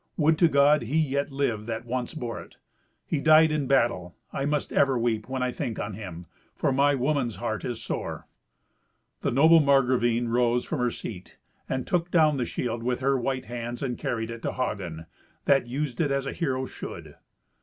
Would to God he yet lived that once bore it! He died in battle. I must ever weep when I think on him, for my woman's heart is sore." The noble Margravine rose from her seat, and took down the shield with her white hands and carried it to Hagen, that used it as a hero should.